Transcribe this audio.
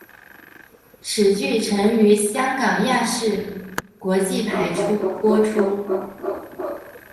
此剧曾于香港亚视国际台播出。